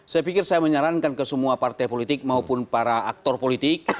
saya pikir saya menyarankan ke semua partai politik maupun para aktor politik